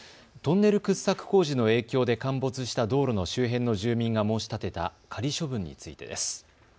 トンネル掘削工事の影響で陥没した道路の周辺の住民が申し立てた仮処分についてです。